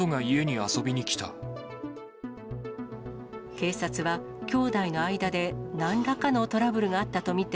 警察は、兄妹の間でなんらかのトラブルがあったと見て、